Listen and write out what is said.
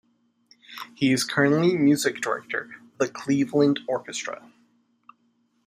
He is currently music director of the Cleveland Orchestra.